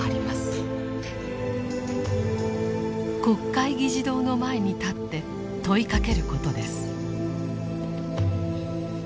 国会議事堂の前に立って問いかけることです。